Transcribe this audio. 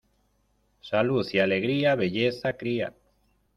Salud y alegría, belleza cría.